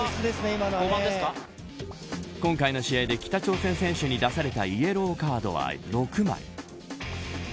今回の試合で北朝鮮選手に出されたイエローカードは６枚。